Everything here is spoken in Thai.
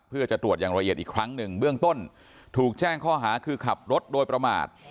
เพื่อจะตรวจอย่างละเอียดอีกครั้งหนึ่งเบื้องต้นถูกแจ้งข้อหาคือขับรถโดยประมาท